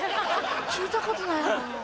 聞いたことないな。